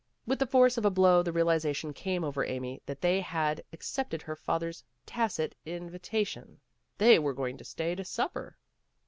With the force of a blow the realization came over Amy that they had ac cepted her father 's tacit invitation. They were going to stay to supper.